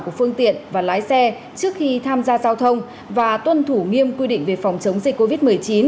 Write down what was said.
của phương tiện và lái xe trước khi tham gia giao thông và tuân thủ nghiêm quy định về phòng chống dịch covid một mươi chín